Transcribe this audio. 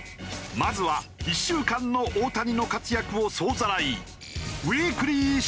まずは１週間の大谷の活躍を総ざらい。